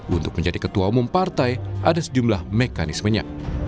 untuk menjadi ketua umum partai ada sejumlah mekanismenya